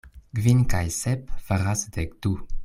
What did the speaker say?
Kvin kaj sep faras dek du.